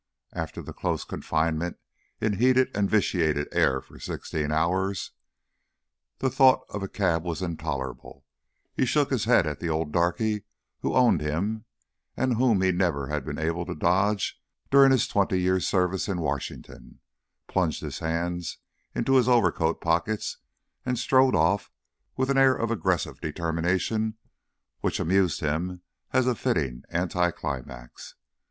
After the close confinement in heated and vitiated air for sixteen hours, the thought of a cab was intolerable: he shook his head at the old darky who owned him and whom he never had been able to dodge during his twenty years' service in Washington, plunged his hands into his overcoat pockets, and strode off with an air of aggressive determination which amused him as a fitting anti climax.